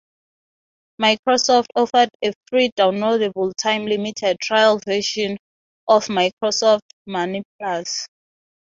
Microsoft offered a free downloadable time-limited trial version of Microsoft Money Plus.